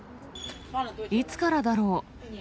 いつからだろう？